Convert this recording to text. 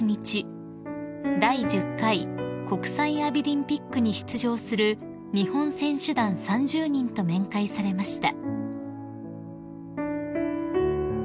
第１０回国際アビリンピックに出場する日本選手団３０人と面会されました］